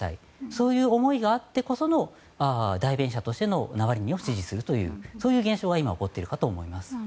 そういう思いがあってこその代弁者としてのナワリヌイ氏を支持するという現象が起きていると思います。